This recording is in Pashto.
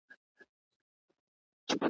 ا لا هو ا لا هو وا یې